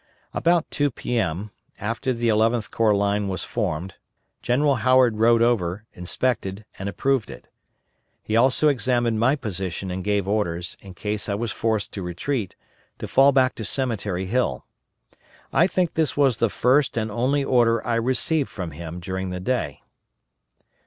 About 2 P.M., after the Eleventh Corps line was formed, General Howard rode over, inspected, and approved it. He also examined my position and gave orders, in case I was forced to retreat, to fall back to Cemetery Hill. I think this was the first and only order I received from him during the day.